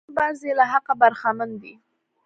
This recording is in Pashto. د فکري مبارزې له حقه برخمن دي.